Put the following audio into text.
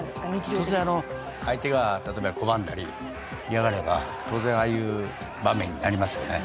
日常的に相手が例えば拒んだり嫌がれば当然ああいう場面になりますよね